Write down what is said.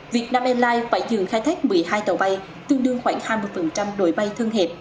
việt nam airlines phải dừng khai thác một mươi hai tàu bay tương đương khoảng hai mươi đội bay thân hẹp